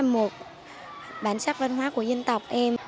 và là một bản sắc văn hóa của dân tộc em